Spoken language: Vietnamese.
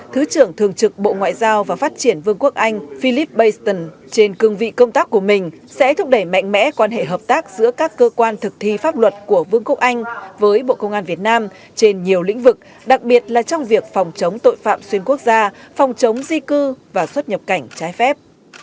thứ trưởng thường trực bộ ngoại giao và phát triển vương quốc anh philip baston trên cương vị công tác của mình sẽ thúc đẩy mạnh mẽ quan hệ hợp tác giữa các cơ quan thực thi pháp luật của vương quốc anh với bộ công an việt nam trên nhiều lĩnh vực đặc biệt là trong việc phòng chống tội phạm xuyên quốc gia phòng chống di cư và xuất nhập cảnh trái phép